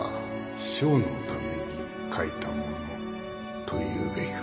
賞のために書いたものというべきか